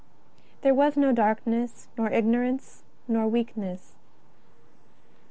There was no darkness, nor ignorance, nor weakness.